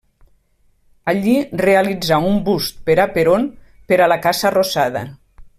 Allí realitzà un bust per a Perón per a la Casa Rosada.